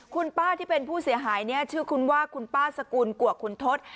คุณป้าที่เป็นผู้เสียหายเนี่ยชื่อคุณว่าคุณป้าสกุลกัวคุณทศ